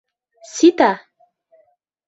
Сита...